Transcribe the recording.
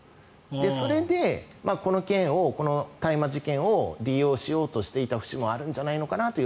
それでこの件を、大麻事件を利用しようとしていた節もあるんじゃないかなという。